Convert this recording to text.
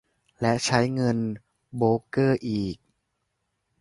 และใช้เงินโบรกเกอร์อีก